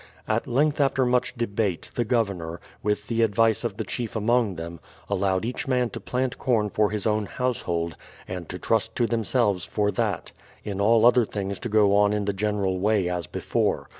At length after much debate, the Governor, with the advice of the chief among the^, allowed each man to plant corn for his own household, and to trust to themselves for that; in all other things to go on in the general way as before.